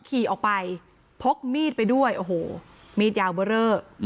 ขี่ออกไปพกมีดไปด้วยโอ้โหมีดยาวเบอร์เรอ